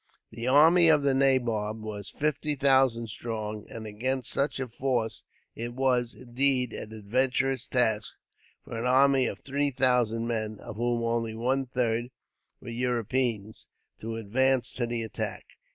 The army of the nabob was fifty thousand strong, and against such a force it was, indeed, an adventurous task for an army of three thousand men, of whom only one third were Europeans, to advance to the attack.